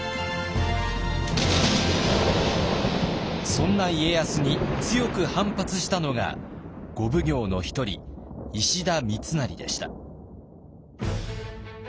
そんな家康に強く反発したのが五奉行の一人石田三成でした。